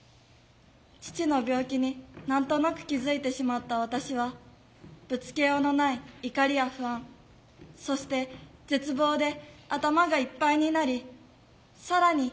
父の病気に何となく気付いてしまった私はぶつけようのない怒りや不安そして絶望で頭がいっぱいになり更に